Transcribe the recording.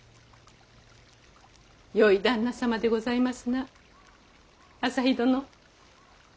よい旦那様でございますな旭殿。